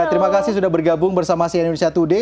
terima kasih sudah bergabung bersama si indonesia today